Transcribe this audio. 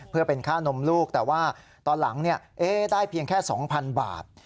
เพื่อเป็นค่านมลูกแต่ว่าตอนหลังได้เพียงแค่๒๐๐๐บาท